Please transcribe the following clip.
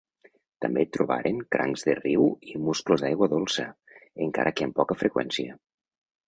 També trobaren crancs de riu i musclos d'aigua dolça, encara que amb poca freqüència.